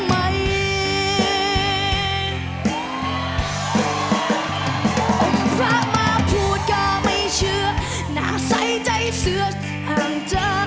อมพระมาพูดก็ไม่เชื่อหน้าใส่ใจเสื้ออย่างเธอ